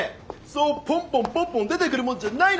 そうポンポンポンポン出てくるもんじゃないの！